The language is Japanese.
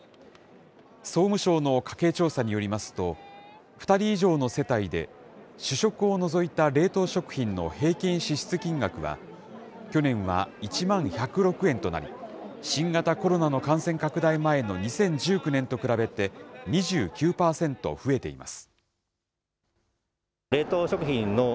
総務省の家計調査によりますと、２人以上の世帯で、主食を除いた冷凍食品の平均支出金額は、去年は１万１０６円となり、新型コロナの感染拡大前の２０１９年と比べて２９％増えています。